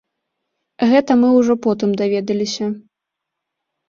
Гэта мы ўжо потым даведаліся.